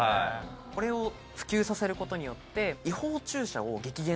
これを普及させることによって。